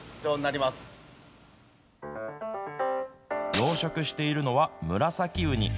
養殖しているのは、ムラサキウニ。